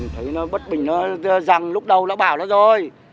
thấy nó bất bình nó rằng lúc đầu nó bảo nó rồi